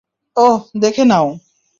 ওহ, দেখে নাও।